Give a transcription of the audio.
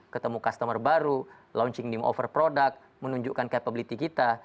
ketemu customer baru launching new over product menunjukkan capability kita